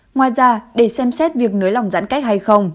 ngoài ra để xem xét việc nới lỏng giãn cách hay không